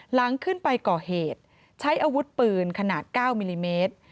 หลังขึ้นไปก่อเหตุใช้อาวุธปืนขนาด๙มิลลิเมตร